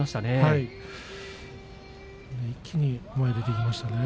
一気に、前に出ていきましたね。